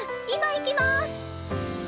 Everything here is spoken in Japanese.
今行きます！